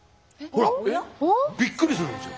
えっ？びっくりするんですよ。